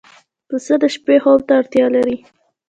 پسه د شپې خوب ته اړتیا لري.